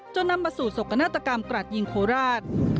นำมาสู่สกนาฏกรรมกราดยิงโคราช